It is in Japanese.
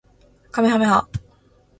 かめはめ波